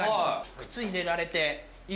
靴入れられて。